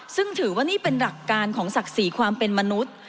ซึ่งถือว่านี่เป็นหลักการของศักดิ์ศรีความเป็นมนุษย์